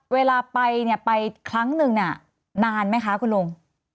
เวลาไปเนี่ยไปครั้งหนึ่งนานไหมคะคุณลุง